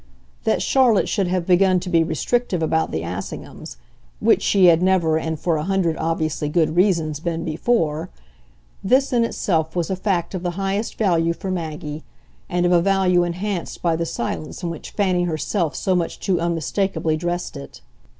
That Charlotte should have begun to be restrictive about the Assinghams which she had never, and for a hundred obviously good reasons, been before this in itself was a fact of the highest value for Maggie, and of a value enhanced by the silence in which Fanny herself so much too unmistakably dressed it.